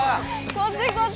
こっちこっち！